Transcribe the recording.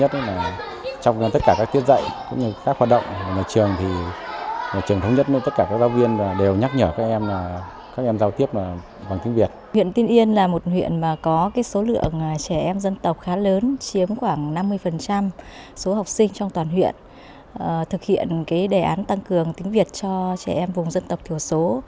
huyện tinh yên là một huyện có số lượng trẻ em dân tộc khá lớn chiếm khoảng năm mươi số học sinh trong toàn huyện thực hiện đề án tăng cường tiếng việt cho trẻ em vùng dân tộc thiểu số